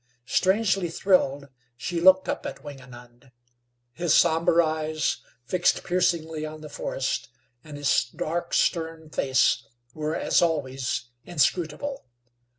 Strangely thrilled, she looked up at Wingenund. His somber eyes, fixed piercingly on the forest, and his dark stern face, were, as always, inscrutable.